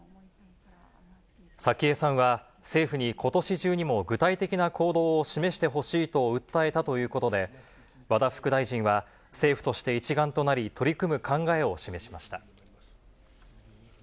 早紀江さんは、政府にことし中にも具体的な行動を示してほしいと訴えたということで、和田副大臣は、政府として一丸となり、取り組む考えを示しました。